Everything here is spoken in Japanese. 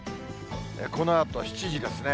このあと、７時ですね。